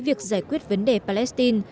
việc giải quyết vấn đề palestine